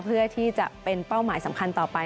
เพื่อที่จะเป็นเป้าหมายสำคัญต่อไป